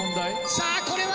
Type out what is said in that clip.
さあこれは。